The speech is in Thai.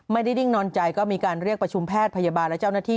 นิ่งนอนใจก็มีการเรียกประชุมแพทย์พยาบาลและเจ้าหน้าที่